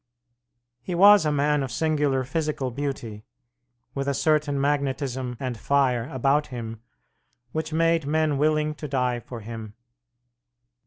He was a man of singular physical beauty, with a certain magnetism and fire about him which made men willing to die for him.